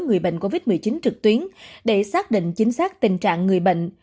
người bệnh covid một mươi chín trực tuyến để xác định chính xác tình trạng người bệnh